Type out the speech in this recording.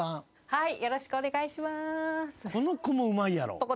はい。